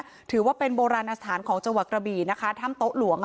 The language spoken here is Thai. รถปั๊กเข้าเลยรถชดไปนั่นเลยเอาไปเลยเอาปั๊กไว้